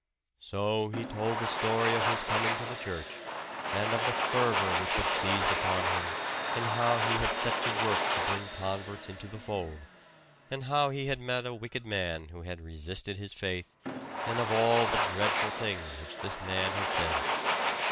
So he told the story of his coming to the church, and of the fervor which had seized upon him, and how he had set to work to bring converts into the fold; and how he had met a wicked man who had resisted his faith, and of all the dreadful things which this man had said.